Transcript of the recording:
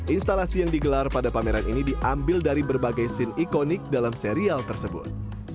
instalasi yang digelar pada pameran ini diambil dari berbagai scene ikonik dalam serial tersebut